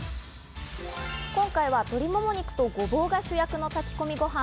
今回は鶏もも肉とごぼうが主役の炊き込みご飯。